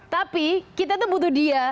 tapi kita tuh butuh dia